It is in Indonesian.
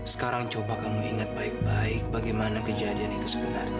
sekarang coba kamu ingat baik baik bagaimana kejadian itu sebenarnya